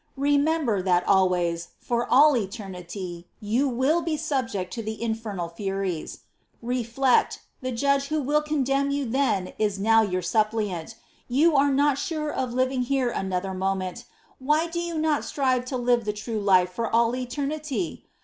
Remember, that always, for all eternity, you will be subject to the infernal furies ! Reflect — the Judge Who will condemn you then is now your Suppliant ;* you are not sure of living here another moment : why do you not strive to live the true life for all eternity